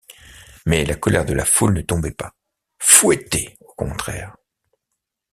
Mais la colère de la foule ne tombait pas, fouettée au contraire.